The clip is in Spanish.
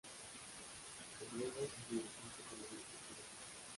Obrero y dirigente comunista chileno.